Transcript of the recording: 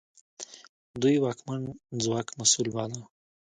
دوی واکمن ځواک مسوول باله.